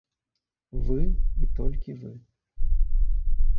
Вы і толькі вы.